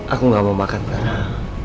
aku gak mau makan bareng